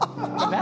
何？